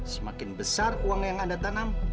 semakin besar uang yang anda tanam